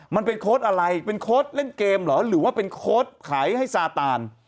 มันเป็นโค้ดอะไรเป็นโค้ดเล่นเกมเหรอหรือว่าเป็นโค้ดขายให้ซาตาน